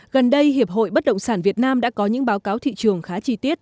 gần đây hiệp hội bất động sản việt nam đã có những báo cáo thị trường khá chi tiết